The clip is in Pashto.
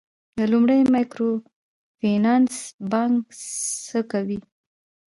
د لومړي مایکرو فینانس بانک څه کوي؟